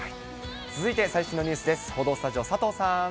続いて最新のニュースです。